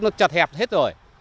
nó chật hẹp hết rồi